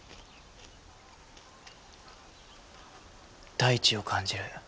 大地を感じる。